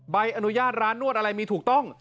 ใบอนุญาตร้านนวดอะไรมีถูกต้อง